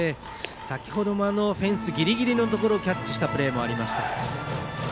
先程もフェンスギリギリのところキャッチしたプレーがありました。